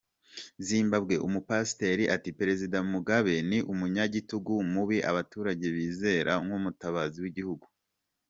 Zimbabwe: Umupasiteri ati “Perezida Mugabe ni umunyagitugu mubi abaturage bizera nk’umutabazi w’igihugu”.